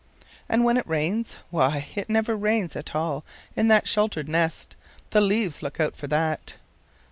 And when it rains? Why, it never rains at all in that sheltered nest; the leaves look out for that.